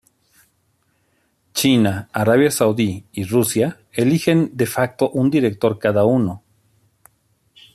China, Arabia Saudí y Rusia eligen de facto un director cada uno.